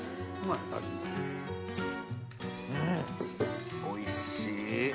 うんおいしい。